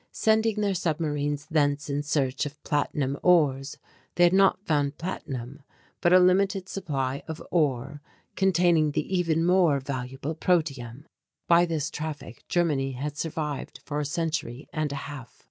Sending their submarines thence in search of platinum ores they had not found platinum but a limited supply of ore containing the even more valuable protium. By this traffic Germany had survived for a century and a half.